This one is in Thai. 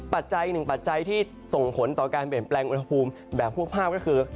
ปัจจัยหนึ่งปัจจัยที่ส่งผลต่อการเปลี่ยนแปลงอุณหภูมิแบบพวกภาพก็คือ